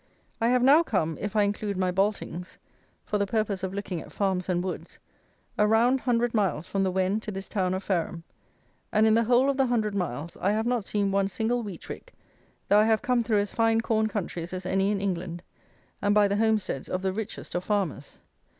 I have now come, if I include my boltings, for the purpose of looking at farms and woods, a round hundred miles from the Wen to this town of Fareham; and in the whole of the hundred miles I have not seen one single wheat rick, though I have come through as fine corn countries as any in England, and by the homesteads of the richest of farmers.